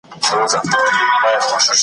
پردي وطن ته په کډه تللي .